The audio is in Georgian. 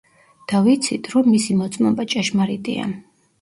და ვიცით, რომ მისი მოწმობა ჭეშმარიტია.